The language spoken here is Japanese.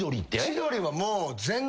千鳥はもう全然。